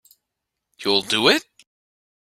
You'll do it?